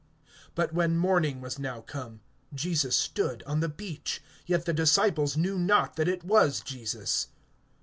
(4)But when morning was now come, Jesus stood on the beach; yet the disciples knew not that it was Jesus.